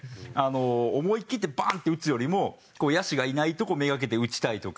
思いきってバンって打つよりも野手がいないとこ目がけて打ちたいとか。